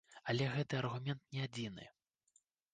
Але гэты аргумент не адзіны.